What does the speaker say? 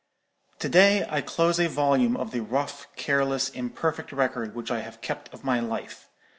"To day I close a volume of the rough, careless, imperfect record which I have kept of my life.